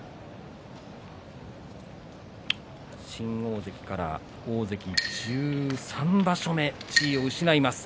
新大関から大関１３場所目その地位を失います。